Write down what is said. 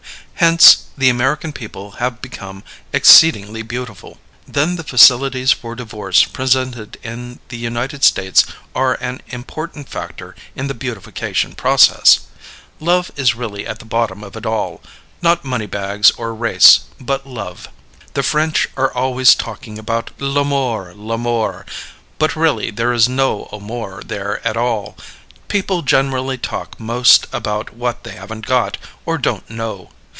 Hence, the American people have become exceedingly beautiful. Then the facilities for divorce presented in the United States are an important factor in the beautification process. Love is really at the bottom of it all not money bags or race, but love. The French are always talking about l'amour, l'amour; but really there is no amour there at all people generally talk most about what they haven't got or don't know.